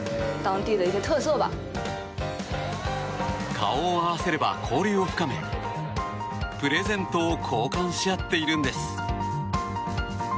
顔を合わせれば交流を深めプレゼントを交換し合っているんです。